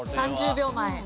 １０秒前。